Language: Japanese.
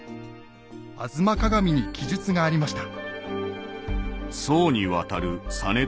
「吾妻鏡」に記述がありました。